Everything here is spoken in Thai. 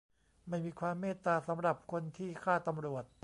ไม่มีความเมตตาสำหรับคนที่ฆ่าตำรวจ !